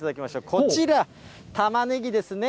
こちら、たまねぎですね。